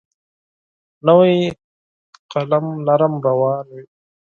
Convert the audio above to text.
نوی قلم نرم روان وي.